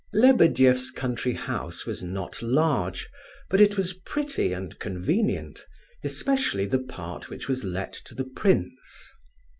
Lebedeff's country house was not large, but it was pretty and convenient, especially the part which was let to the prince.